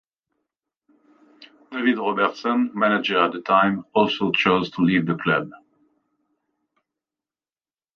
David Robertson, manager at the time, also chose to leave the club.